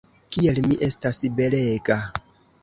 Kiel mi estas belega!